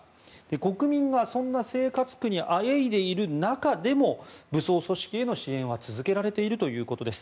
国民がそんな生活苦にあえいでいる中でも武装組織への支援は続けられているということです。